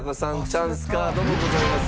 チャンスカードもございます。